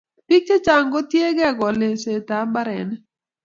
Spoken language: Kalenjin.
Piik chechang' ko tiegei kolest ab mbaronik